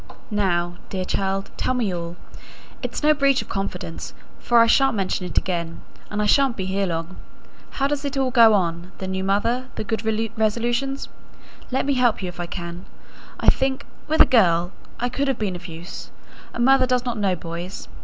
"Now, dear child, tell me all; it's no breach of confidence, for I shan't mention it again, and I shan't be here long. How does it all go on the new mother, the good resolutions? let me help you if I can. I think with a girl I could have been of use a mother does not know boys.